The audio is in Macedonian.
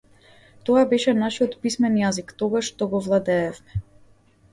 Тоа беше нашиот писмен јазик, тогаш што го владеевме.